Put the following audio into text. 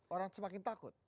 orang semakin takut